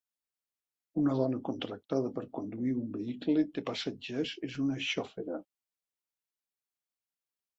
Una dona contractada per conduir un vehicle de passatgers és una xofera.